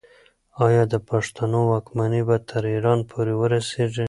آیا د پښتنو واکمني به تر ایران پورې ورسیږي؟